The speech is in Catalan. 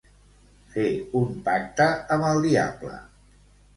Fer un pacte amb el diable.